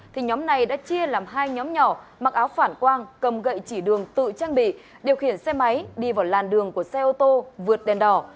thì nhóm này đã chia làm hai nhóm nhỏ mặc áo phản quang cầm gậy chỉ đường tự trang bị điều khiển xe máy đi vào làn đường của xe ô tô vượt đèn đỏ